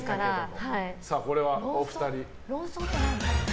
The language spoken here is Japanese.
これはお二人。